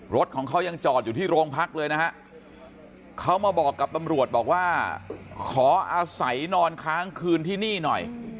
รถของเขายังจอดอยู่ที่โรงพักเลยนะฮะเขามาบอกกับตำรวจบอกว่าขออาศัยนอนค้างคืนที่นี่หน่อย